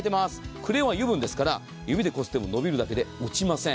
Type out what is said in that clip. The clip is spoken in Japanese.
クレヨンは油分ですから指でこすっても伸びるだけで落ちません。